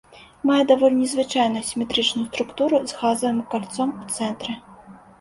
Мае даволі незвычайную сіметрычную структуру з газавым кальцом у цэнтры.